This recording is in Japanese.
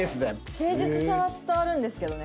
誠実さは伝わるんですけどね